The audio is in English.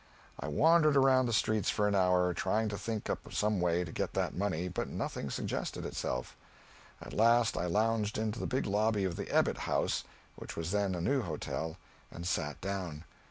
I wandered around the streets for an hour, trying to think up some way to get that money, but nothing suggested itself. At last I lounged into the big lobby of the Ebbitt House, which was then a new hotel, and sat down.